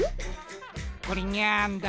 これニャンだ？